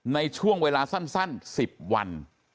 ในช่วงเวลาสั้น๑๐วัน